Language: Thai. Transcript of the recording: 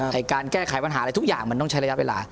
การแก้ไขปัญหาอะไรทุกอย่างมันต้องใช้ระยะเวลา